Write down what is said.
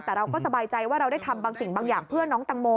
แต่เราก็สบายใจว่าเราได้ทำบางสิ่งบางอย่างเพื่อน้องตังโม